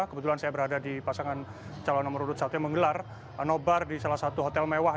kebetulan saya berada di pasangan calon nomor urut satu yang menggelar nobar di salah satu hotel mewah